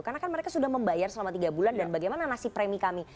karena kan mereka sudah membayar selama tiga bulan dan bagaimana nasib premi kami